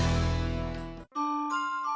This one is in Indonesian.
ini mbak mbak ketinggalan